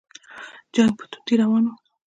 جنګ په توندۍ روان وو.